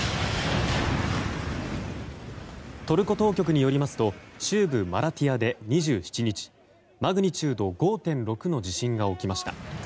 トルコ当局によりますと中部マラティヤで２７日マグニチュード５．６の地震が起きました。